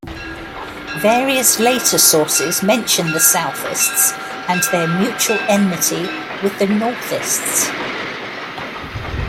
Various later sources mention the Southists and their mutual enmity with the Northists.